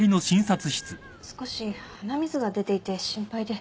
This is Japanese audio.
少し鼻水が出ていて心配で。